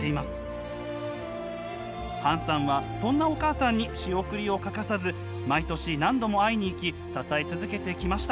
ハンさんはそんなお母さんに仕送りを欠かさず毎年何度も会いに行き支え続けてきました。